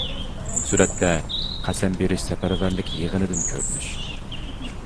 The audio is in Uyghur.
سۈرەتتە: قەسەم بېرىش سەپەرۋەرلىك يىغىنىدىن كۆرۈنۈش.